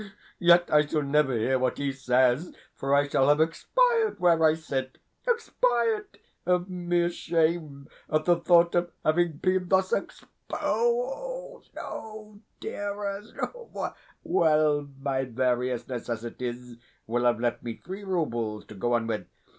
Yet I shall never hear what he says, for I shall have expired where I sit expired of mere shame at the thought of having been thus exposed. Ah, dearest!... Well, my various necessities will have left me three roubles to go on with.